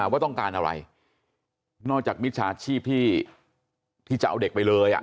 ว่าต้องการอะไรนอกจากมิจฉาชีพที่จะเอาเด็กไปเลย